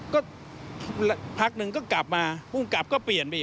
ก็พักหนึ่งก็กลับมาพรุ่งกลับก็เปลี่ยนไป